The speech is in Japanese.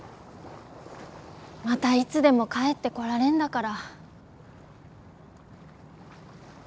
またいつでも帰ってこられんだから。